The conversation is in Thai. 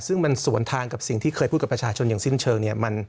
ซึ่งมันสวนทางกับสิ่งที่เคยพูดกับประชาชนอย่างสิ้นเชิงเนี่ย